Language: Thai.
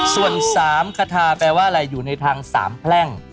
ส่วน๓คาทาแปลว่าอะไรอยู่ในทางสามแพร่ง